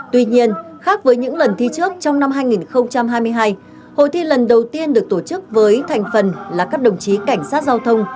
tuy nhiên khác với những lần thi trước trong năm hai nghìn hai mươi hai hội thi lần đầu tiên được tổ chức với thành phần là các đồng chí cảnh sát giao thông